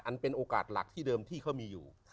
เป็นโอกาสหลักที่เดิมที่เขามีอยู่